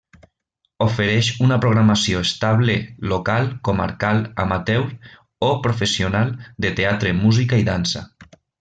Ofereix una programació estable local, comarcal, amateur o professional, de teatre, música i dansa.